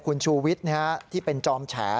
คุณชูวิทย์ที่เป็นจอมแฉ